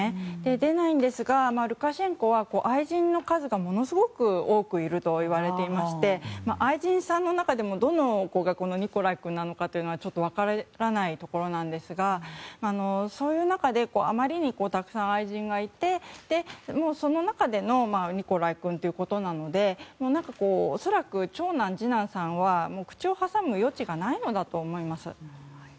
出ないんですがルカシェンコは愛人の数がものすごく多くいるといわれていまして愛人さんの中でもどの子がニコライ君なのかはちょっと分からないところなんですがそういう中であまりにたくさん愛人がいてその中でのニコライ君ということなので恐らく長男、次男さんは口をはさむ余地がないのだと思います。